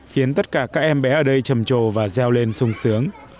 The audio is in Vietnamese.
khiến tất cả các em bé ở đây trầm trồ và gieo lên sung sướng